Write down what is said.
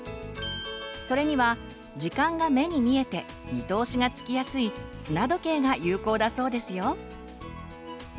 それには時間が目に見えて見通しがつきやすい砂時計が有効だそうですよ。